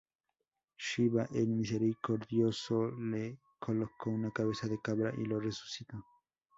Shivá, el Misericordioso, le colocó una cabeza de cabra y lo resucitó.